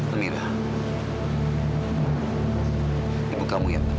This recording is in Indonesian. amira ibu kamu yang benar